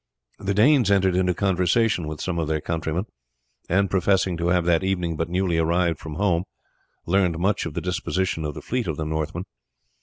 The Danes entered into conversation with some of their countrymen, and professing to have that evening but newly arrived from home, learned much of the disposition of the fleet of the Northmen.